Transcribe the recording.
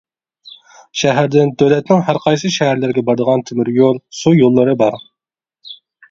شەھەردىن دۆلەتنىڭ ھەرقايسى شەھەرلىرىگە بارىدىغان تۆمۈريول، سۇ يوللىرى بار.